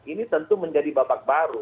ini tentu menjadi babak baru